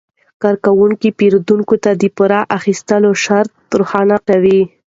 کارکوونکي پیرودونکو ته د پور اخیستلو شرایط روښانه کوي.